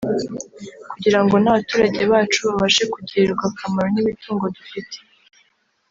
kugira ngo n’abaturage bacu babashe kugirirwa akamaro n’imitungo dufite